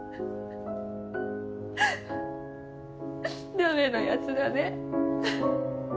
ダメなヤツだね。